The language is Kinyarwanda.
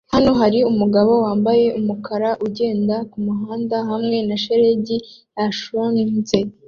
Hano hari umugabo wambaye umukara ugenda kumuhanda hamwe na shelegi yashonze